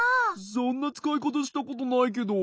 そんなつかいかたしたことないけど。